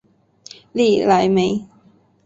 利莱梅。